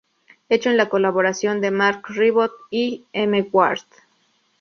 Hecho con la colaboración de Marc Ribot y M Ward.